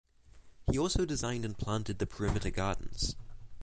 He also designed and planted the perimeter gardens.